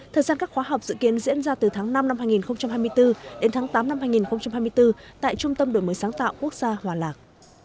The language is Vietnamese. thời gian các khóa học dự kiến diễn ra từ tháng năm năm hai nghìn hai mươi bốn đến tháng tám năm hai nghìn hai mươi bốn tại trung tâm đổi mới sáng tạo quốc gia hòa lạc